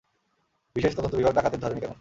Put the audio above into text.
বিশেষ তদন্ত বিভাগ ডাকাতদের ধরেনি কেন?